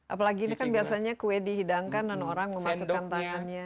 apalagi ini kan biasanya kue dihidangkan dan orang memasukkan tangannya